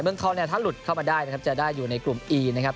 เมืองทองเนี่ยถ้าหลุดเข้ามาได้นะครับจะได้อยู่ในกลุ่มอีนะครับ